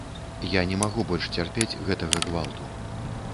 Я не магу больш цярпець гэтага гвалту.